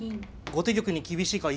後手玉に厳しいか。